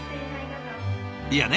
いやね